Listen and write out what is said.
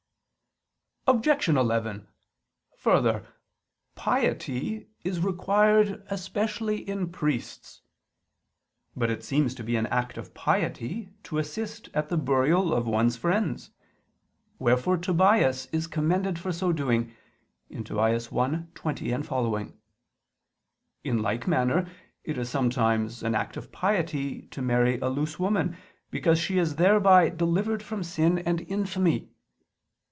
Objection 11: Further, piety is required especially in priests. But it seems to be an act of piety to assist at the burial of one's friends: wherefore Tobias is commended for so doing (Tob. 1:20, seqq.). In like manner it is sometimes an act of piety to marry a loose woman, because she is thereby delivered from sin and infamy.